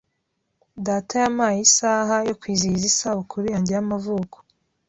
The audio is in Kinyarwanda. Data yampaye isaha yo kwizihiza isabukuru yanjye y'amavuko.